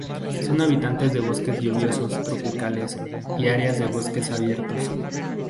Son habitantes de bosques lluviosos tropicales, y áreas de bosques abiertos.